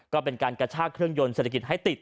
ก็เป็นการกระชากเครื่องยนต์เศรษฐกิจให้ติด